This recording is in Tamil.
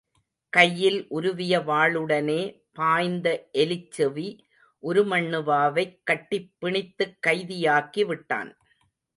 கையில் உருவிய வாளுடனே பாய்ந்த எலிச்செவி உருமண்ணுவாவைக் கட்டிப் பிணித்துக் கைதியாக்கி விட்டான்.